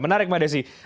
menarik mbak desi